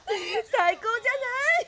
最高じゃない？